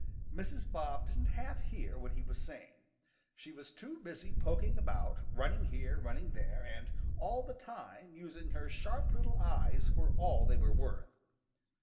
Mrs. Bob didn't half hear what he was saying. She was too busy poking about, running here, running there, and all the time using her sharp little eyes for all they were worth.